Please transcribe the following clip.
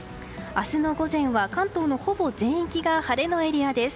明日の午前は、関東のほぼ全域が晴れのエリアです。